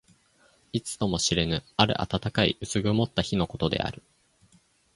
いつとも知れぬ、ある暖かい薄曇った日のことである。